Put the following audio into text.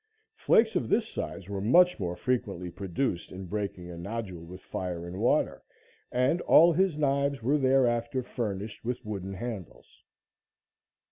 Flakes of this size were much more frequently produced in breaking a nodule with fire and water, and all his knives were thereafter furnished with wooden handles.